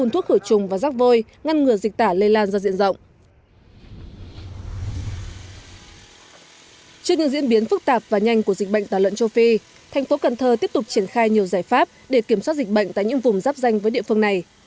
trước những diễn biến phức tạp và nhanh của dịch bệnh tả lợn châu phi thành phố cần thơ tiếp tục triển khai nhiều giải pháp để kiểm soát dịch bệnh tại những vùng giáp danh với địa phương này